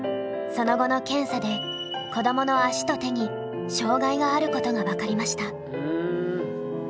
その後の検査で子どもの足と手に障害があることが分かりました。